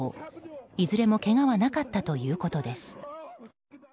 いずれもけがはなかったということです。